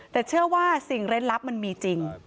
แต่เชื่อว่าสิ่งเล่นลับมันมีจริง